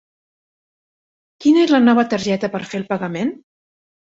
Quina és la nova targeta per fer el pagament?